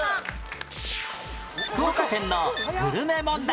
福岡県のグルメ問題